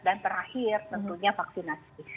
dan terakhir tentunya vaksinasi